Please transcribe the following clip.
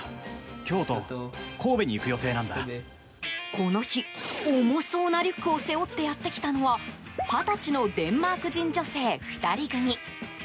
この日、重そうなリュックを背負ってやってきたのは二十歳のデンマーク人女性２人組。